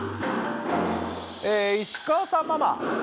え石川さんママ。